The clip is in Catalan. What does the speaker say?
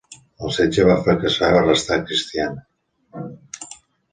El setge va fracassar i va restar cristiana.